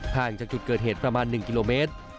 ห่างจากจุดเกิดเหตุประมาณ๑กิโลเมตร